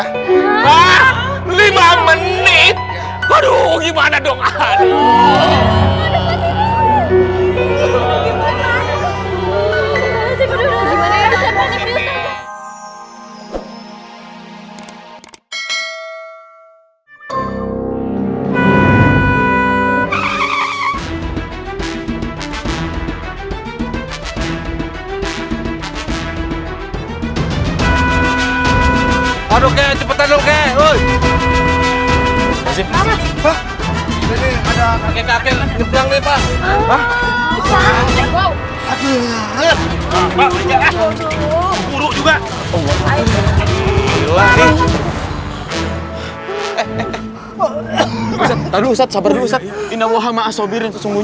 hai lima menit aduh gimana dong aduh